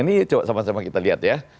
ini coba sama sama kita lihat ya